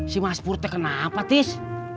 si mas purte kenapa tis